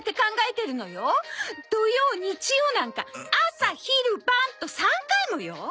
土曜日曜なんか朝昼晩と３回もよ！